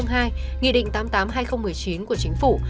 nghị định tám mươi tám hai nghìn một mươi chín của chính phủ